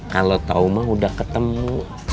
kalau tau mah udah ketemu